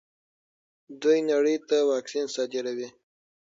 دوی نړۍ ته واکسین صادروي.